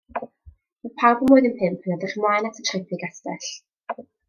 Roedd pawb ym Mlwyddyn Pump yn edrych ymlaen at y trip i gastell.